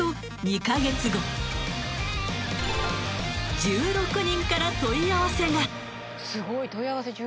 ［１６人から問い合わせが］